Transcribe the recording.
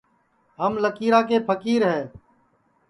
ہم لکیرا کے پھکیر ہے